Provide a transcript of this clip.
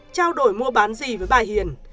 trao đổi mua bán gì với bà hiền